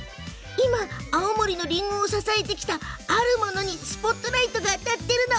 今、青森のりんごを支えてきたあるものにスポットライトが当たっているの。